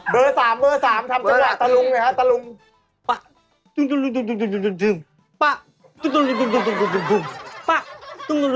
เบอร์๓